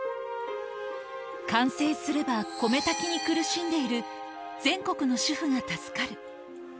完成すれば、米炊きに苦しんでいる全国の主婦が助かる。